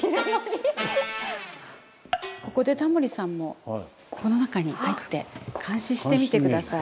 ここでタモリさんもこの中に入って監視してみて下さい。